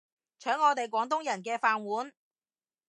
搶我哋廣東人嘅飯碗